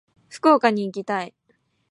福岡に行きたい。